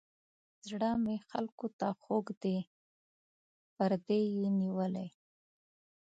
زړه مې خلکو ته خوږ دی پردي یې نیولي.